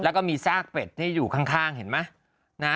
แล้วก็มีซากเป็ดที่อยู่ข้างเห็นไหม